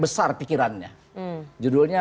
besar pikirannya judulnya